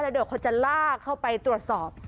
เดี๋ยวเขาจะลากเข้าไปตรวจสอบ